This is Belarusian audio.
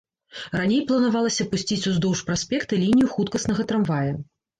Раней планавалася пусціць уздоўж праспекта лінію хуткаснага трамвая.